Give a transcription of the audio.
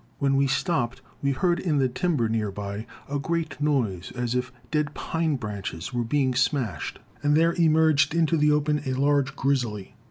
When we stopped we heard, in the timber near by, a great noise, as if dead pine branches were being smashed, and there emerged into the open a large grizzly.